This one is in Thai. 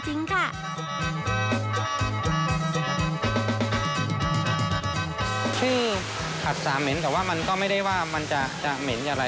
ชื่อป้าซามเหม็นแต่ไม่ได้ว่ามันจะเหม็นอะไร